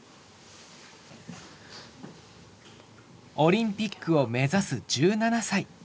オリンピックを目指す１７歳。